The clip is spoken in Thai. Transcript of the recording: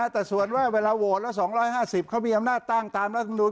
แต่ส่วนว่าเวลาโหวตแล้ว๒๕๐เขามีอำนาจตั้งตามรัฐมนุน